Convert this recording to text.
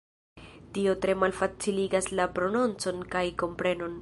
Tio tre malfaciligas la prononcon kaj komprenon.